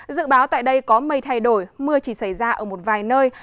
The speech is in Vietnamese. dự báo tại đây có mây thay đổi mưa chỉ xảy ra ở một vài nơi